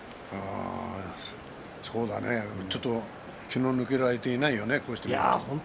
そうだね、ちょっと気の抜ける相手がいないよね。